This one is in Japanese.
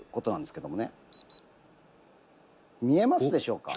「」「見えますでしょうか？」